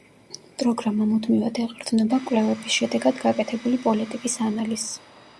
პროგრამა მუდმივად ეყრდნობა კვლევების შედეგად გაკეთებული პოლიტიკის ანალიზს.